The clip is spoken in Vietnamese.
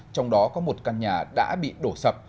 trong đó có một căn nhà đã bị đổ sập